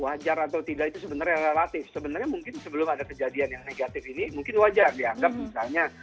wajar atau tidak itu sebenarnya relatif sebenarnya mungkin sebelum ada kejadian yang negatif ini mungkin wajar dianggap misalnya